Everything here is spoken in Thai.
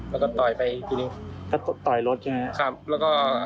แล้วก็ต่อยไปอีกทีหนึ่ง